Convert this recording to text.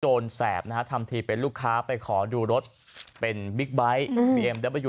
โจรแสบนะฮะทำทีเป็นลูกค้าไปขอดูรถเป็นบิ๊กไบท์บีเอ็มเตอร์วิว